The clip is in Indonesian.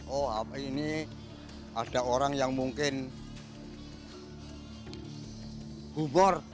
oh ini ada orang yang mungkin humor